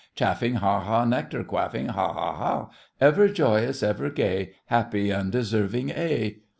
Chaffing, Ha! ha! Nectar quaffing, Ha! ha! ha! Ever joyous, ever gay, Happy, undeserving A!